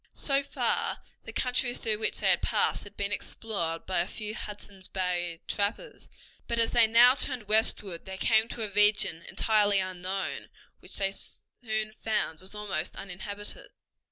So far the country through which they had passed had been explored by a few Hudson's Bay trappers, but as they now turned westward they came into a region entirely unknown, which they soon found was almost uninhabited.